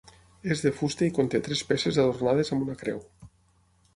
És de fusta i conté tres peces adornades amb una creu.